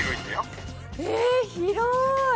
え広い！